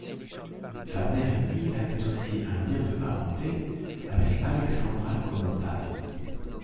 Sa mère et lui avaient aussi un lien de parenté avec Alexandra Kollontai.